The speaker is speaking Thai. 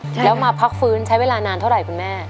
แล้วมาพักฟื้นใช้เวลานานเท่าไหร่คุณแม่